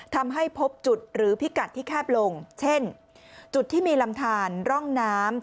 ทำให้พบจุดหรือพิกัดที่แคบลงเช่นจุดที่มีลำทานร่องน้ำ